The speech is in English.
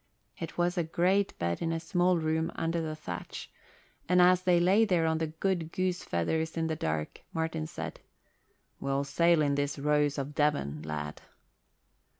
It was a great bed in a small room under the thatch; and as they lay there on the good goose feathers in the dark, Martin said, "We'll sail in this Rose of Devon, lad."